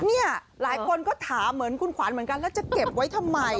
เนี่ยหลายคนก็ถามเหมือนคุณขวัญเหมือนกันแล้วจะเก็บไว้ทำไม